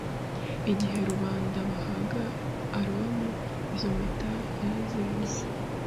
Igihe rubanda bahaga Aroni izo mpeta yarazibuze